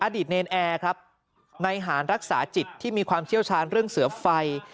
เนรนแอร์ครับในหารรักษาจิตที่มีความเชี่ยวชาญเรื่องเสือไฟ